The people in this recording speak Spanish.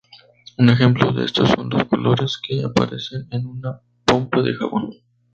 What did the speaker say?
Un ejemplo de esto son los colores que aparecen en una pompa de jabón.